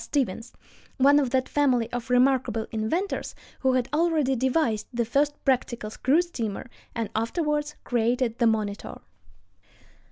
Stevens, one of that family of remarkable inventors, who had already devised the first practical screw steamer, and afterward created the Monitor.